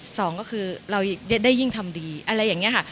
สองก็คือเราได้ยิ่งทำดีอะไรอย่างนี้ค่ะ